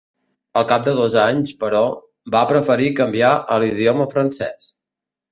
Al cap de dos anys, però, va preferir canviar a l'idioma francès.